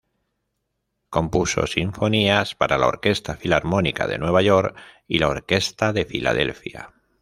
Compuso sinfonías para la Orquesta Filarmónica de Nueva York y la Orquesta de Filadelfia.